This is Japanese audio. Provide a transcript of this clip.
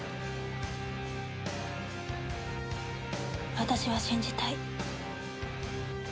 私は信じたい。